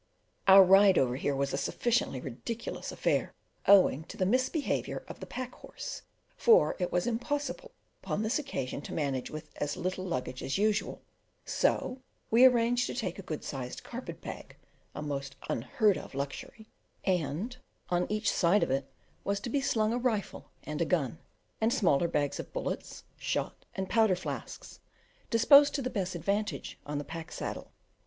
Our ride over here was a sufficiently ridiculous affair, owing to the misbehaviour of the pack horse, for it was impossible upon this occasion to manage with as little luggage as usual, so we arranged to take a good sized carpet bag (a most unheard of luxury), and on each side of it was to be slung a rifle and a gun, and smaller bags of bullets, shot, and powder flasks, disposed to the best advantage on the pack saddle.